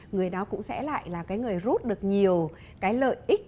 người đó cũng sẽ lại là cái người rút được nhiều cái lợi ích